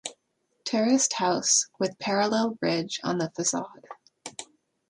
Terraced house, with parallel ridge on the facade.